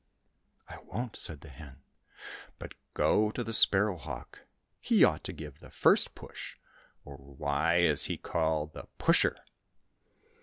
—" I won't !" said the hen, " but go to the sparrow hawk, he ought to give the first push, or why is he called the Pusher